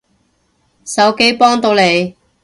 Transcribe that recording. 手機幫到你